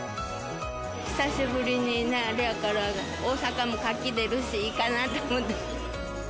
久しぶりにアレやから、大阪も活気出るし、いいかなって思って。